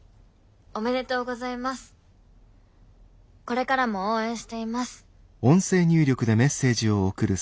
これからも応援しています。